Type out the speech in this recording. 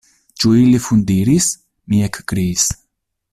Ĉu ili fundiris!? mi ekkriis.